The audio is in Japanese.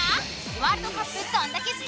ワールドカップどんだけ好き！？